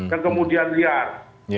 dan kemudian liar